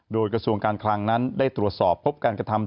โดยกระทรวงการคลังนั้นได้ตรวจสอบพบการกระทำ